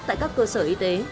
tại các cơ sở y tế